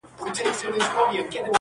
ه یاره دا زه څه اورمه، څه وینمه.